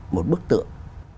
một bức tượng